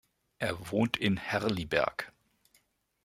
Er wohnt in Herrliberg.